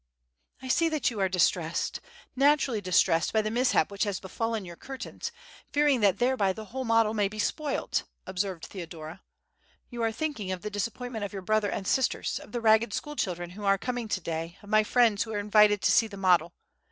"I see that you are distressed, very naturally distressed, by the mishap which has befallen your curtains, fearing that thereby the whole model may be spoilt," observed Theodora. "You are thinking of the disappointment of your brother and sisters, of the Ragged school children who are coming to day, of my friends who are invited to see the model.